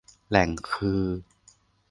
แหล่งคือ